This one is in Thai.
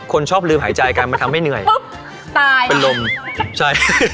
คนชอบลืมหายใจกันมันทำให้เหนื่อยตายเป็นลมใช่